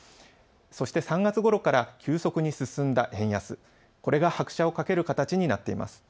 そして３月ごろから急速に進んだ円安、これが拍車をかける形になっています。